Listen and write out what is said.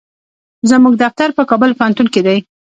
زموږ دفتر په کابل پوهنتون کې دی.